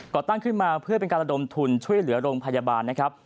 ตั้งขึ้นมาเพื่อเป็นการระดมทุนช่วยเหลือโรงพยาบาลนะครับ